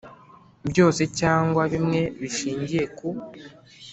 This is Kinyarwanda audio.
Byose cyangwa bimwe bishingiye ku